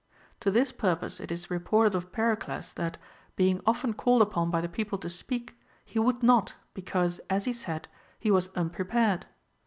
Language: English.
To this purpose it is reported of Pericles, that, being often called upon by the people to speak, he would not, because (as he said) he was unprepared.